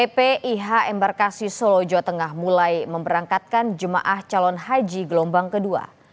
ppih embarkasi solo jawa tengah mulai memberangkatkan jemaah calon haji gelombang kedua